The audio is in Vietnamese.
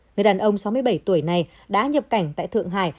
người đàn ông sáu mươi bảy tuổi này đã nhập cảnh tại thượng hải